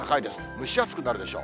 蒸し暑くなるでしょう。